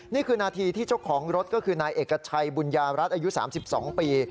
นี่คือนาทีที่เจ้าของรถก็คือนายเอกชัยบุญญารัฐอายุ๓๒ปี